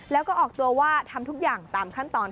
แล้วก็ออกตัวว่าทำทุกอย่างตามขั้นตอน